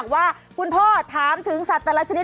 ประมาณป๊าป๊าร้องไง